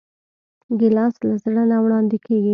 ګیلاس له زړه نه وړاندې کېږي.